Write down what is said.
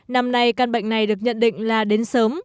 năm nay căn bệnh này được nhận định là đến sớm